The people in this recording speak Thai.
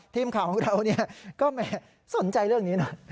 ทีมข่าวของเราก็สนใจเรื่องนี้นะ